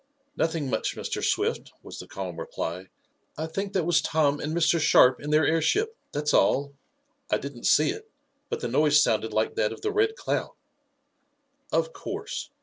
"Nothing much, Mr. Swift," was the calm reply "I think that was Tom and Mr. Sharp in their airship, that's all. I didn't see it, but the noise sounded like that of the Red Cloud." "Of course!